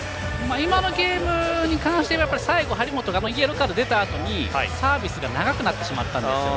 今のゲームに関しては最後、張本がイエローカード出たあとにサービスが長くなってしまったんですね。